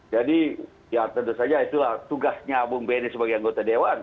jadi ya tentu saja itulah tugasnya bung benny sebagai anggota dewan